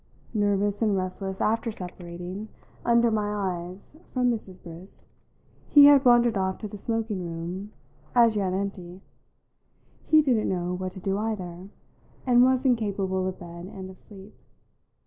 Nervous and restless after separating, under my eyes, from Mrs. Briss, he had wandered off to the smoking room, as yet empty; he didn't know what to do either, and was incapable of bed and of sleep.